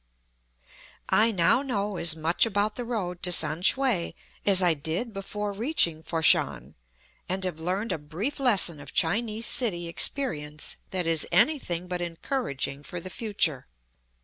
I now know as much about the road to Sam shue as I did before reaching Fat shan, and have learned a brief lesson of Chinese city experience that is anything but encouraging for the future.